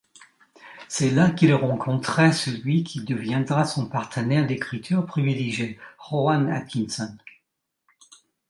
C'est là qu'il a rencontré celui qui deviendra son partenaire d'écriture privilégié, Rowan Atkinson.